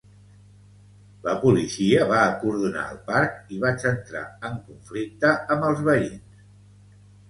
La policia va acordonar el parc i vaig entrar en conflicte amb els veïns